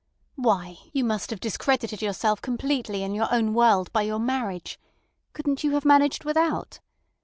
Why, you must have discredited yourself completely in your own world by your marriage. Couldn't you have managed without?